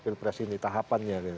pilpres ini tahapannya gitu